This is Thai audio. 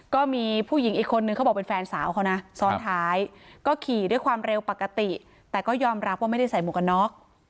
ก็มีผู้หญิงอีกคนนึงเขาบอกเป็นแฟนสาวเขานะซ้อนท้ายก็ขี่ด้วยความเร็วปกติแต่ก็ยอมรับว่าไม่ได้ใส่หมวกกันน็อก